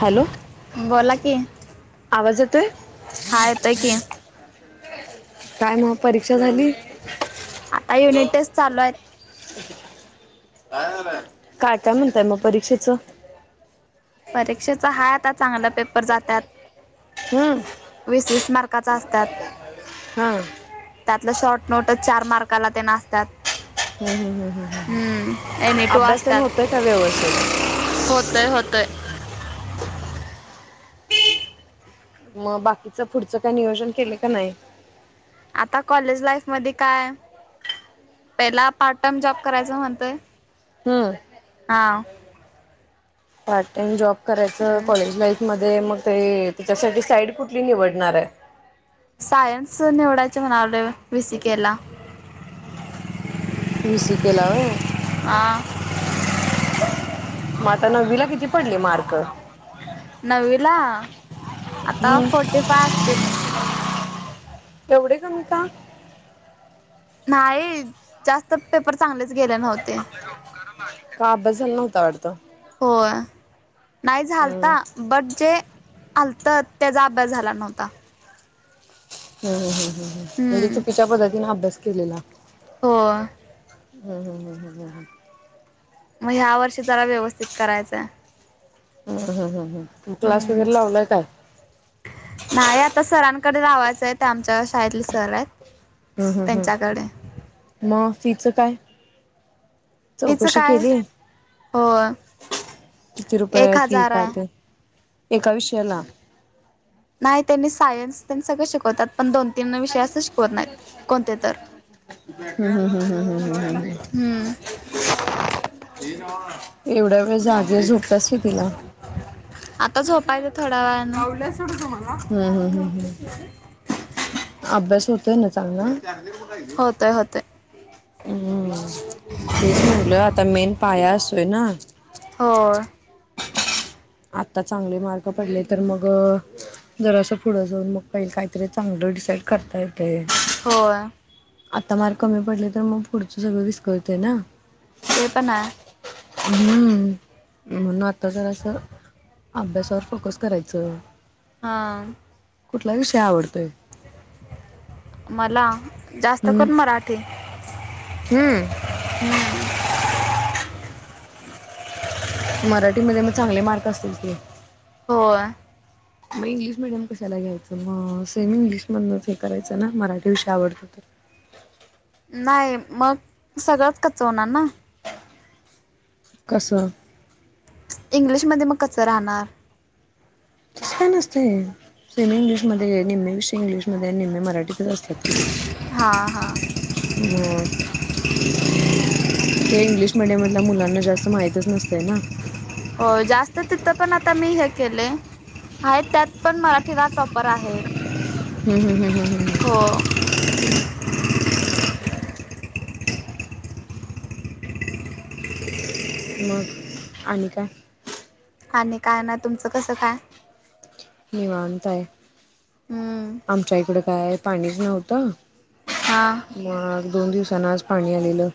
Hello, बोला की आवाज येतोय? हा येतोय की काय मग परीक्षा झाली? आता युनिट टेस्ट चालू आहेत. काय, काय म्हणताय मग परीक्षेचं? परीक्षेचा हा आता चांगल पेपर जातात. हा. वीस -वीस मार्काचा असत्यात. हां त्यातलं शॉर्ट नोटच चार मार्काला तेन असतात. ह, ह, ह, ह, ह, हम्म ह. एनी टू वाचत्यात होतय होतय. मग बाकीच पुढचं काय नियोजन केलं का नाही? आता कॉलेज लाईफ मध्ये काय पहिला पार्ट टाम जॉब करायच म्हणतय. हम्म. हा. पार्ट टाइम जॉब करायच. हम्म. कॉलेज लाईफ - - मध्ये मग ते तिच्यासाठी साईड कुठली निवडणार आहे? सायन्स निवडायचं म्हणालोय बी सी के ला - बी सी के ला होय? हां? मग आता नववी ला किती पडले मार्क? नववीला आता हम्म फोर्टी फाय असतील. एवढे कमी का? नाहीय जास्त पेपर चांगलेच गेले नव्हते का अभ्यास झाल नव्हता वाडत. होय. नाही झालता. हम्म बट जे आलत त्याचा अभ्यास झाला नव्हता. हम्म हम्म ह म्हणजे हम्म चुकीच्या पद्धतीन अभ्यास केलेला. हो. हम् हम हम हम मग ह्या वर्षी जरा व्यवस्थित करायचंय. ह ह ह ह मग क्लास हम्म वगैरे लावलाय काय? नाही आता सरांकडे लावायचं आहे ते आमच्या शाळेतले सर आहेत. हम्म हम्म त्यांच्याकडे हम्म म फीच काय? फीच चौकशी काय केली? हो किती एक रुपये फी हजार काय आहे. ते? एका विषयाला. नाही त्यांनी सायन्स तेन सगळं शिकवतात. पण दोन तीन विषय अस शिकवत नाहीत. कोणते तर. हम्म हम्म हम्म हम्म. एवढ्या वेळ जागे झोप्याच कितिला? आता झोपायच थोड्या वेळानं. [unintelligible] हम् हम् हम् हम् अभ्यास होतोय ना चांगला? चार्जर कुठाय ते? होतय होतय हम्म तेच म्हटलं आता मेन पाया असतोय ना. होय. आत्ता चांगले मार्क पडले तर मग जर असं पुढं जाऊन मग पाहिल काहीतर चांगलं डिसाईड करता येतय. होय. आत्ता मार्क कमी पडले तर मग पुढचं सगळं विस्कळते ना? ते पण हाय. हम् म्हणून आता जर असं अभ्यासावर फोकस कराय च हा कुठला विषय आवडतोय? मला जास्त हम्म करून मराठी. हम्म हम्म. मराठीमध्ये मग चांगले मार्क असतील की? होय. म इंग्लिश मिडियम कशाला घ्यायचं म सेम इंग्लिश मधच हे करायचं ना मराठी विषय आवडतो तर. नाय मग सगळंत कच्च होणार ना. कसं? इंग्लिशमध्ये मग कच्च राहणार. तस काय नसतंय सेमी इंग्लिशमध्ये निम्मे विषय इंग्लिश मध्ये आणि निम्मे मराठीतच अस त्यात हां हां हो. ते इंग्लिश मीडियम मधल्या मुलांना जास्त माहितच नसतंय ना. हो जास्त तिथं पण आता मी हे केलय. हाय त्यात पण मराठीला टॉपर आहेत. हम् हम् हम् हम् हम्. हो. मग आणि काय? आणि काय नाय. तुमचं कसं काय? निवांत आय. हम्म. आमच्या इकडं काय पाणीच नव्हतं. हा. म दोन दिवसांन आज पाणी आलेलं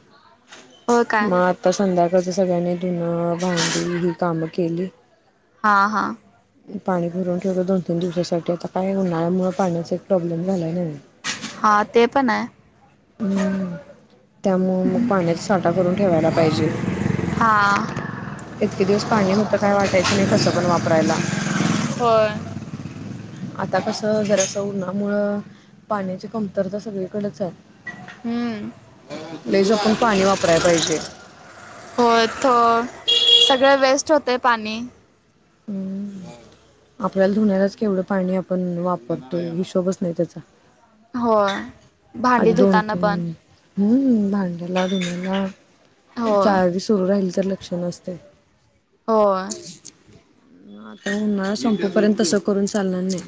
हो काय म आता संध्याकाळच सगळ्यांनी धुनं भांडी ही कामं केली. हां हां. पाणी भरून ठेवलं दोन तीन दिवसासाठी आता काय उन्हाळ्या मुळ पाण्याचा एक प्रॉब्लेम झालाय नव्हे. हा ते पण आय. हम्म त्यामुळ मग पाण्याचा साठा करून ठेवायला पाहिजे. हां इतके दिवस पाणी होतं काय वाटायचं नाय कसं पण वापरायला. होय. आता कसं जरासं उन्हामुळं पाण्याची कमतरता सगळीकडेच हाय. हम्म, लय जपून पाणी वापरायला पाहिजे. होय थो सगळं वेस्ट होतंय पाणी. हम्म. आपल्याला धुण्यालाच केवढं पाणी आपण वापरतोय हिशोबच नाय त्याचा. होय भांडी आधी दोन धुताना पण. तीन हम्म भांड्याला धुन्याला होय चावी सुरू राहिली तरी लक्ष नसतंय. होय. आता उन्हाळा संपेपर्यंत तसं करून चालणार नाय.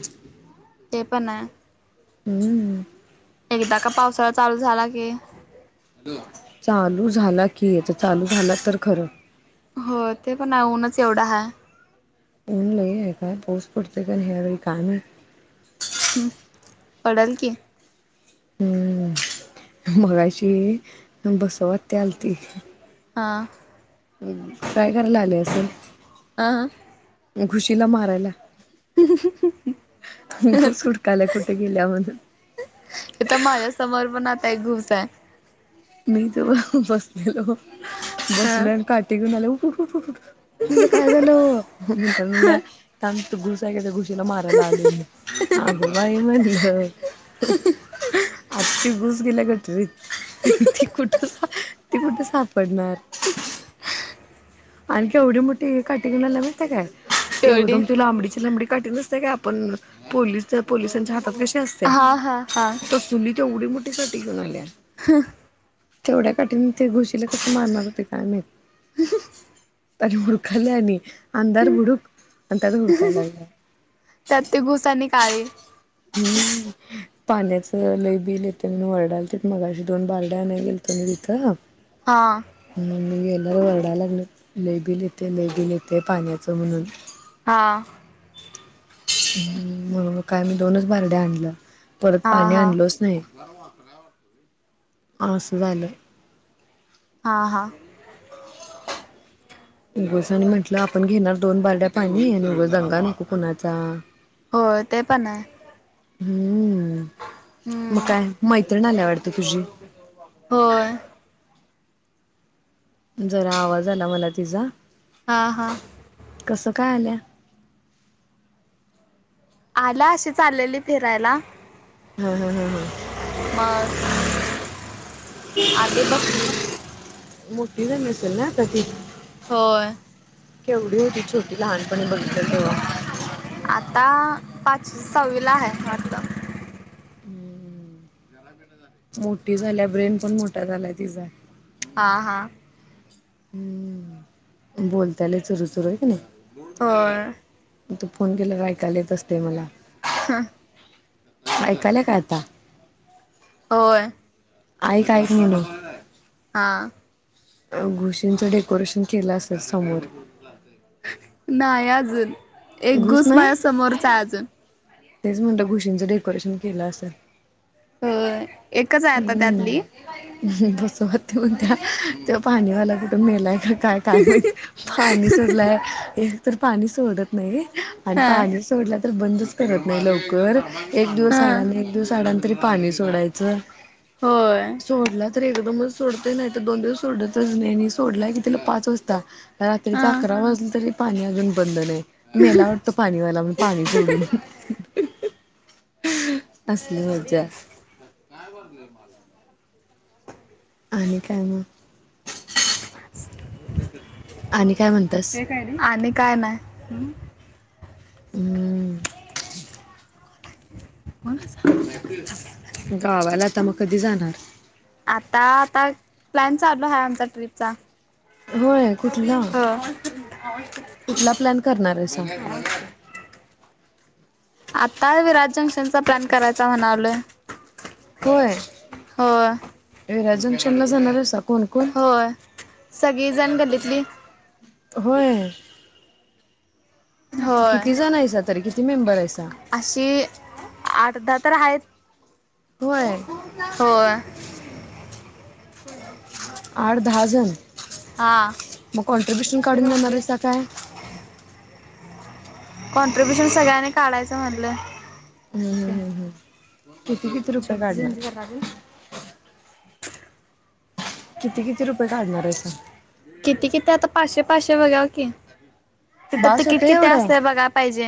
ते पण आय. हम्म. एकदा का पावसाळा चालू झाला की चालू झाला की आता चालू झाला तर खरं. होय ते पण आय ऊनच एवढ हाय. ऊन लय हाय काय पाऊस पडतोय का नाय ह्यावेळी काय माहीत. हम् पडल की. हम्म मगाशी बसव आत्या आलती. हा. काय करायला आली असलं? आ? घुशीला मारायला, घुस हुडकायाला कुठं गेल्या म्हणून. इतं माझ्या समोर पण आता एक घुस आहे. मी इथं बसलेलो, ह बसलोय अन काठी घेऊन आले, ऊठ-ऊठ-ऊठ-ऊठ. मी म्हणलं काय झालं वो? म्हणतात म्हणल्या थांब इथं घुस आहे काय त्या घु शीला मारायला आलोय मी. आगं बाई म्हनल. आन ती घुस गेल्या गटरीत. ती कुठं सा ती कुठं सापडणार. अन केवढी मोठी काठी घेऊन आला माहितीय काय? केवढी एकदम ती लांबडीची लंबळी काटी नस त्या का आपण पुलिसच्या- पोलिसांच्या हातात कशी असते हा हा हा तसली तेवढी मोठी काठी घेऊन आल्या. तेवढ्या काठीन ती घुशीला कसं मारणार होते काय माहित. आणि हुडकल्या यांनी अंधार भुडूक आणि त्यात हुडकायला लागल्या. त्यात ती घुस आणि काळी. हम्म. पाण्याचं लय बिल येतंय वरडाल तिथनं माझी दोन बारड्या आणायला गेलते ना तिथं. हा. मग मी गेल्यावर ओरडाय लागल. लयं बिल येतंय, लयं बिल येतंय पाण्याचं म्हणून. हा. हम्म, म्हणुन काय मी दोनच भांडे आणलं परत हा पाणी हा आणलोच नाही. दहवा, अकरावा अस झाले. आ हां. [inaudible] उगसनी म्हटलं आपण घेणार दोन बारड्या पाणी आणि उगच दंगा नको कुणाचा. होय ते पण आहे हम्म, मग हम्म काय मैत्रीण आलिय वाटत तुझी? होय. जरा आवाज आला मला तिचा. हा-हा. कसं काय आल्या? आला अशीच आलेली फिरायला. मग ह्म-ह्म-ह्म-ह्म. आली बसली. मोठीं झाली असेल ना, आता ती? होय. केवढी होती छोटी, लहानपणी बघितलं तेव्हा. आता पाचवी-सहावी ला आहे, वाटत. ह्म ह्म. झाला बेटा झाला. मोठीं झाल्या, ब्रेन पण मोठा झालाय तिजा. आं हा. हम्म, बोलत लई चुरूचुरू हाय कि नई. होय. मग तू फोन केला का ऐकाला येत असते मला. हां. ऐकायला काय आता, होय आई कायक नाही हां. घुशींचं डेकोरेशन केलं असेल समोर. नाही अजून, एक घुस माझ्या समोरच आहे अजून. तेच म्हणतं घुशींचं डेकोरेशन केलं असेल. होय एकच आहे आता त्यातली बसवते म्हणत्यात, ते पाणीवाला कुठं मेलाय का काय काय माहित? पाणी सोडलंय, एक तर पाणी सोडत नाही आणि हा पाणी सोडला तर बंदच करत नाही लवकर, एक दिवस हा आड आणि एक दिवस आडा तरी पाणी सोडायचं. होय. सोडला तर एकदमच सोडत, नाही तर दोन दिवस सोडतच नाही, सोडलाय की तिला पाच वाजता. हा रात्रीचं अकरा वाजलं तरी पाणी अजून बंद नाही. मेला वाटतं पाणीवाला म पाणी सोडून? असली मजा. आणि काय मग, आणि काय म्हणतस? आणि काय नाही. हम. बोल [unintelligible] गावाला आता मग कधी जाणार? आता आता प्लॅन चालू आहे आमचा ट्रिपचा. होय कुठला? ह कुठला प्लॅन करणार आहेसा? [inaudible] आता विराज जंक्शनचा प्लॅन करायचा म्हणालोय. होय, होय विरा जंक्शन ला जाणार आहे स? कोण कोण? होय सगळीजण गल्लीतली होय. किती होय जणयसा तरी किती मेंबर आहेयचा? अशी आठ दहा तर आहेत. होय. होय आठ दहा जण, हा मग कॉन्ट्र्रीब्युशन काढून देणार आहेसा काय? कॉन्ट्रिब्युशन सगळ्यांनी काढायचं म्हटलं. हम्, हम्, हम्, हम शब्जी चंज करलाग [unintelligible] किती किती रुपये काढणार आहे सा? किती- किती आता पाचशे, पाचशे बघा की. तिथं बास तिकीट होतंय किती एवढं? असतं बघा पाहिज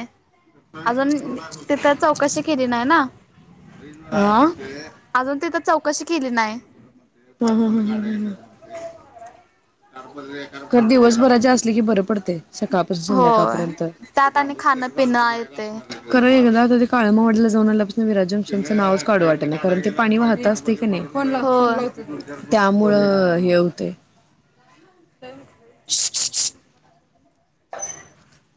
अजून तिथे चौकशी केली नाही ना. आं. अजून तिथ चौकशी केली नाही. ह ह ह ह ह ना ख दिवसभराचे असले की बरे पडते. सकाळ त होय संध्याकाळपर्यंत त्यात आणि खाणं पिणं येते खरं एकदा ते काळमाॉडला जाऊन आल्यापासून विराज जंक्शन नाव काढू वाटत, कारण ते पाणी वाहत असते की नाही, त्यामुळं हे होते म [inaudible]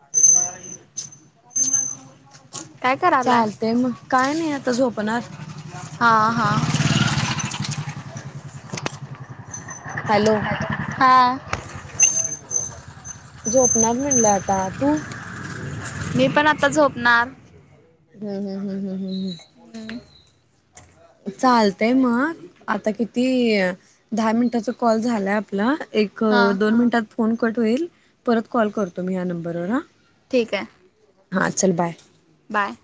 ह [inaudible] करायलाय चालतय मग, काय नाही आता झोपणार. हां, हां. हॅलो. हा. झोपणार म्हणला आता तू? मी पण आता झोपणार. हम, हम, हम, हम, हम्, हम. हम्म. चालतय मग, आता किती दहा मिनिटाचा कॉल झालाय आपला एक हा दोन मिनिटात फोन कट होईल, परत कॉल करतो मी ह्या नंबरवर हा. ठीक हाय. हां चल बाय. बाय.